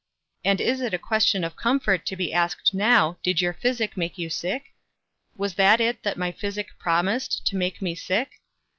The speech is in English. And is it a question of comfort to be asked now, did your physic make you sick? Was that it that my physic promised, to make me sick?